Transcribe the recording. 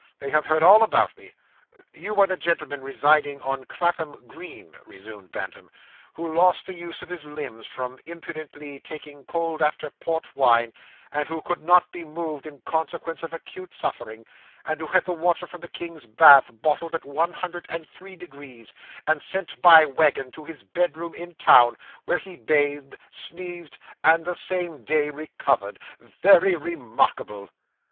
'They have heard all about me.' You are the gentleman residing on Clapham Green,' resumed Bantam, 'who lost the use of his limbs from imprudently taking cold after port wine; who could not be moved in consequence of acute suffering, and who had the water from the king's bath bottled at one hundred and three degrees, and sent by wagon to his bedroom in town, where he bathed, sneezed, and the same day recovered. Very remarkable!